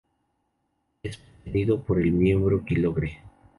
Es mantenido por el miembro Kilgore.